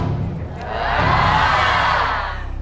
เยี่ยม